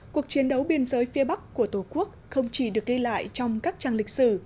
cuộc chiến đấu biên giới phía bắc của tổ quốc không chỉ được gây lại trong các trang lịch sử